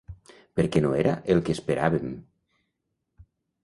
Perquè no era el que esperàvem.